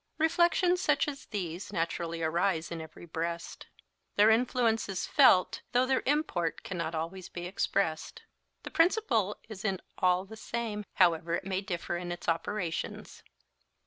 Reflections such as these naturally arise in every breast. Their influence is felt, though their import cannot always be expressed. The principle is in all the same, however it may differ in its operations.